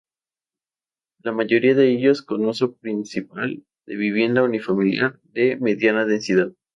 La mayoría de ellos con uso principal de vivienda unifamiliar de mediana densidad.